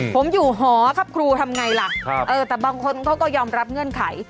ผมอยู่หอครับครูทำไงล่ะแต่บางคนเขาก็ยอมรับเงื่อนไข